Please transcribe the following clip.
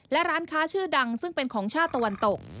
และร้านค้าชื่อดังซึ่งเป็นของชาติตะวันตก